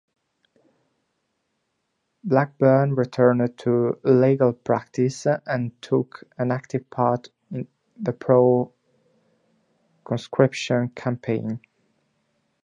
Blackburn returned to legal practice and took an active part in the pro-conscription campaigns.